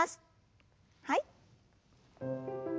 はい。